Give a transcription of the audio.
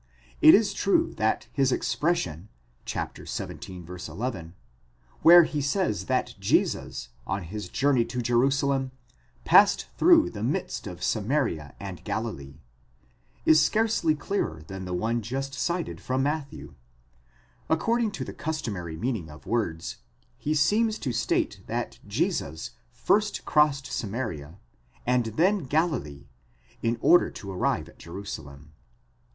It is true that his expression, xvii. 11, where he says that Jesus, on his journey to Jerusalem, passed through the midst of Samaria and Galileee, διήρχετο διὰ μέσου Σαμαρείας καὶ Τλιλαίας, is scarcely clearer than the one just cited from Matthew. According to the customary meaning of words, he seems to state that Jesus first crossed Samaria, and then Galilee, in order to arrive at Jeru salem.